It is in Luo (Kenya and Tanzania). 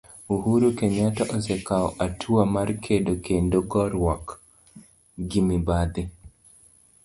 Uhuru Kenyatta osekao atua mar kedo kendo goruok gi mibadhi.